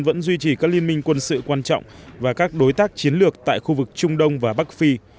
vẫn duy trì các liên minh quân sự quan trọng và các đối tác chiến lược tại khu vực trung đông và bắc phi